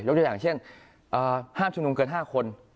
ตัวอย่างเช่นห้ามชุมนุมเกิน๕คน